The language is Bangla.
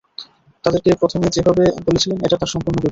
তাদেরকে প্রথমে যেভাবে বলেছিলেন এটা তার সম্পূর্ণ বিপরীত।